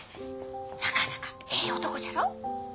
なかなかええ男じゃろ？